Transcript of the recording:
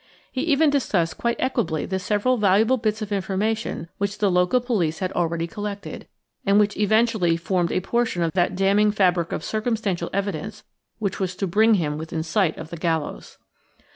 He even discussed quite equably the several valuable bits of information which the local police had already collected, and which eventually formed a portion of that damning fabric of circumstantial evidence which was to bring him within sight of the gallows.